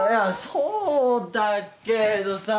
そうだけどさ。